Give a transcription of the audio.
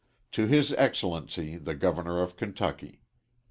To his Excellency, the Governor of Kentucky.